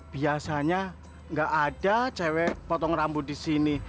biasanya nggak ada cewek potong rambut di sini